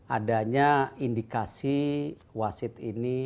adanya indikasi wasit ini